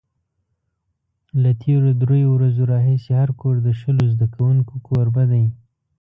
له تېرو درېیو ورځو راهیسې هر کور د شلو زده کوونکو کوربه دی.